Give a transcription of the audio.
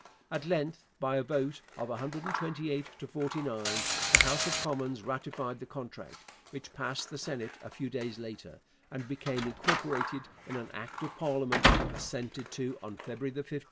At length, by a vote of 128 to 49, the House of Commons ratified the contract, which passed the Senate a few days later, and became incorporated in an Act of Parliament assented to on February 15, 1881.